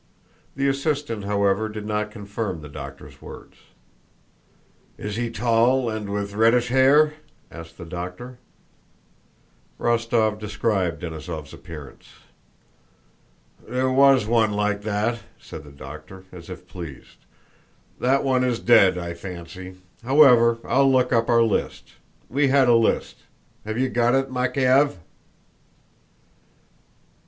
The assistant, however, did not confirm the doctor's words. "Is he tall and with reddish hair?" asked the doctor. Rostóv described Denísov's appearance. "There was one like that," said the doctor, as if pleased. "That one is dead, I fancy. However, I'll look up our list. We had a list. Have you got it, Makéev?"